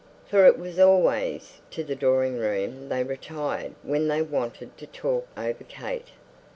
For it was always to the drawing room they retired when they wanted to talk over Kate.